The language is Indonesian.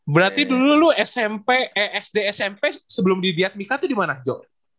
berarti dulu lu smp sd smp sebelum di amerika itu dimana jo